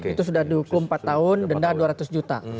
itu sudah dihukum empat tahun denda dua ratus juta